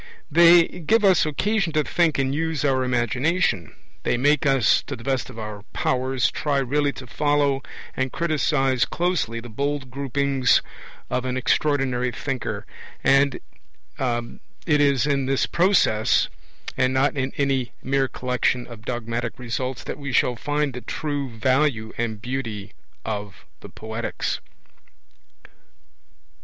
They give us occasion to think and use our imagination. They make us, to the best of our powers, try really to follow and criticize closely the bold gropings of an extraordinary thinker; and it is in this process, and not in any mere collection of dogmatic results, that we shall find the true value and beauty of the Poetics.